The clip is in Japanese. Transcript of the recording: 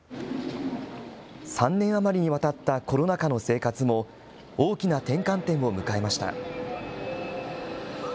３年余りにわたったコロナ禍の生活も、大きな転換点を迎えました。